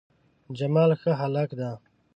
جمال ښه هلک ده